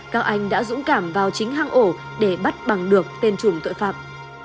các anh đã dũng cảm vào chính hang ổ để bắt bằng được tên chùm tội phạm